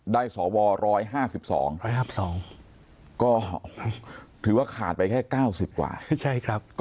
ได้เสาวอร์๑๕๒ก็ถือว่าขาดไปแค่๙๐กว่าใช่ครับ